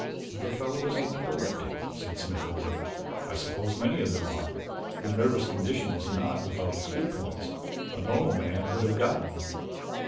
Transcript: "The fellow is an epileptic," said Smith Oldwick. "I suppose many of them are. Their nervous condition is not without its good points a normal man would have gotten you."